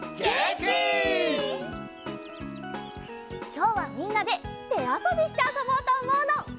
きょうはみんなでてあそびしてあそぼうとおもうの。